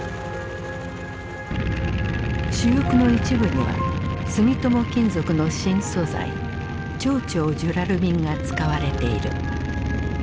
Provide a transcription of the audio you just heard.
主翼の一部には住友金属の新素材超々ジュラルミンが使われている。